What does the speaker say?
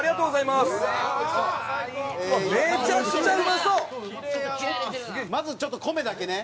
まずちょっと米だけね。